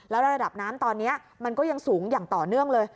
แล้วระดับน้ำตอนนี้มันก็ยังสูงอย่างต่อเนื่องเลย